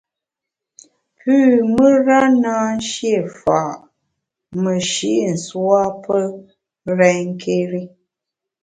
Pü mùra na shié fa’ meshi’ nswa pe renké́ri.